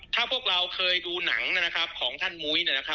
ถ้าพวกเราเคยดูหนังของท่านมุ้ย